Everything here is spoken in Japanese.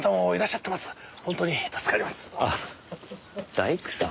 大工さん？